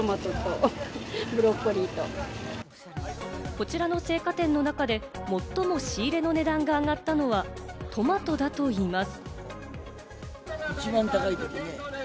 こちらの青果店の中で最も仕入れの値段が上がったのは、トマトだといいます。